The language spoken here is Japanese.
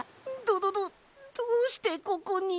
どどどどうしてここに？